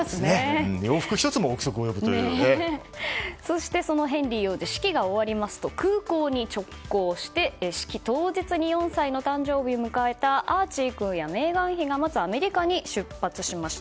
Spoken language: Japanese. そして、そのヘンリー王子式が終わりますと空港に直行して式当日に４歳の誕生日を迎えたアーチー君やメーガン妃が待つアメリカに出発しました。